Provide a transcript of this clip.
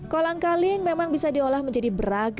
kolang kaling memang bisa diolah menjadi beragam